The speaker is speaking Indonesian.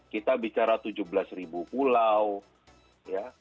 kita bicara tujuh belas ribu pulau ya